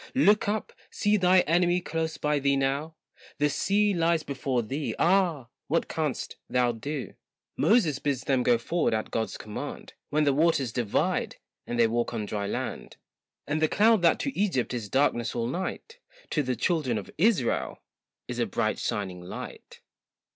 Look up, see thy enemy close by thee now, The sea lies before thee, ah! what canst thou do? Moses bids them go forward at God's command, When the waters divide, and they walk on dry land; And the cloud that to Egypt is darkness all night, To the children of Israel, is a bright shining light.